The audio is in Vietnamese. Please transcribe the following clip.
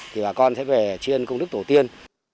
thì bà con sẽ về chiên công đức tổ tiên